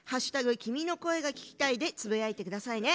「＃君の声が聴きたい」でつぶやいてくださいね。